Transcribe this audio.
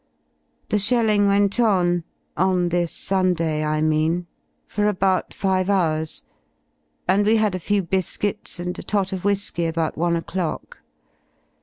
The shelling went on — on this Sunday, I mean — for about five hours, and we had a few biscuits and a tot of whisky about i o'clock.